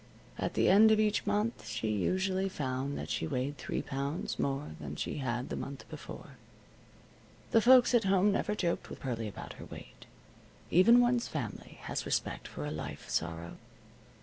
At the end of each month she usually found that she weighed three pounds more than she had the month before. The folks at home never joked with Pearlie about her weight. Even one's family has some respect for a life sorrow.